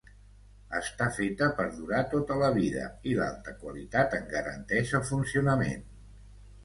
Està feta per durar tota la vida i l'alta qualitat en garanteix el funcionament.